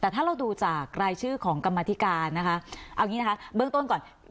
แต่ถ้าเราดูจากรายชื่อของกรรมธิการนะคะเอาอย่างนี้นะคะเบื้องต้นก่อน